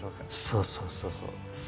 そうそうそうそう。